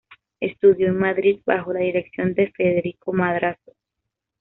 Estudió en Madrid bajo la dirección de Federico Madrazo.